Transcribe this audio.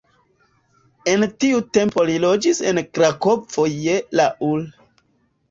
En tiu tempo li loĝis en Krakovo je la ul.